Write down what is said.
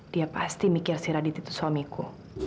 dia pasti mikir si radit itu suamiku